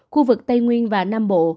khu vực tây nguyên và nam bộ